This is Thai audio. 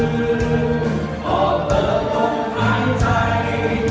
ขอเปิดลมหายใจ